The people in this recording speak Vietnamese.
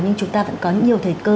nhưng chúng ta vẫn có nhiều thời cơ